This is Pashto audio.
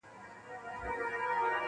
سخت به مي تر دې هم زنکدن نه وي ,